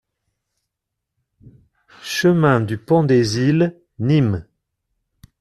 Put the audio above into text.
Chemin du Pont des Iles, Nîmes